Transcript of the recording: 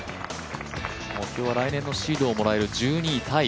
目標は来年のシードをもらえる１２位タイ。